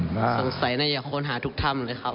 สงสัยน่าจะค้นหาทุกถ้ำเลยครับ